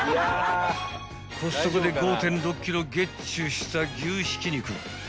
［コストコで５．６ｋｇゲッチュした］